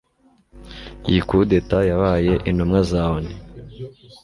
iyo coup d'etat yabaye intumwa za onu